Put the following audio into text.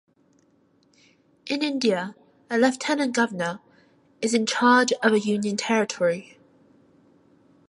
In India, a lieutenant governor is in charge of a union territory.